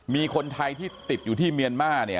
มีคนไทยที่ติดอยู่ที่เมียนมาร์เนี่ย